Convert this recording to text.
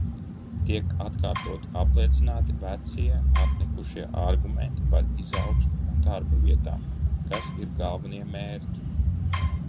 Tiek atkārtoti apliecināti vecie apnikušie argumenti par izaugsmi un darbavietām, kas ir galvenie mērķi.